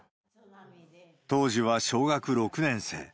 当時は小学６年生。